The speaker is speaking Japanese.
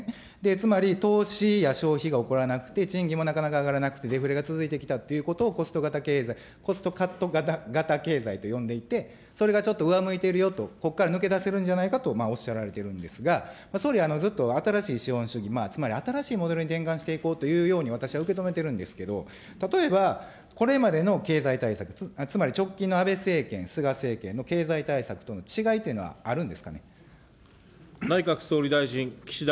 つまり、投資や消費が起こらなくて、賃金もなかなか上がらなくて、デフレが続いていたっていうことを、コストカット型経済と呼んでいて、それがちょっと上向いているよと、ここから抜け出せるんじゃないかとおっしゃられているんですが、総理、ずっと新しい資本主義、新しいモデルに転換していこうと私は受け止めているんですけれども、例えば、これまでの経済対策、つまり直近の安倍政権、菅政権、経済対策との違いというのはあるんですかね。